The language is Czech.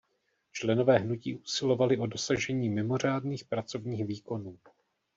Členové hnutí usilovali o dosažení mimořádných pracovních výkonů.